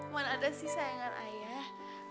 mana ada sih sayang ayah